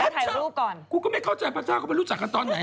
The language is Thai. ถ่ายรูปก่อนกูก็ไม่เข้าใจพระเจ้าเขาไปรู้จักกันตอนไหน